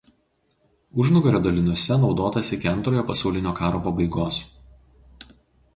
Užnugario daliniuose naudotas iki Antrojo pasaulinio karo pabaigos.